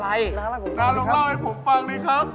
เล่าให้ผมฟังนี่ครับ